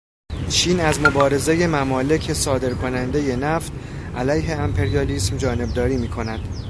چین از مبارزهٔ ممالک صادر کننده نفت علیه امپریالیسم جانبداری میکند.